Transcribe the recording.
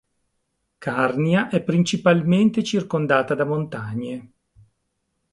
Carnia è principalmente circondata da montagne.